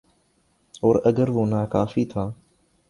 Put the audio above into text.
اوراگر وہ ناکافی تھا۔